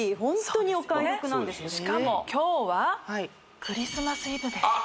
しかも今日はクリスマスイブですあっ！